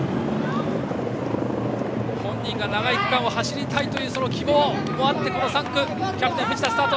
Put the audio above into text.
本人の長い区間を走りたいという希望もあってこの３区、キャプテン藤田、スタート。